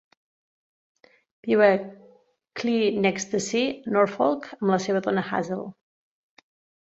Viu a Cley-next-the-Sea, Norfolk, amb la seva dona Hazel.